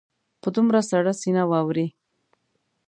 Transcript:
په دومره سړه سینه واوري.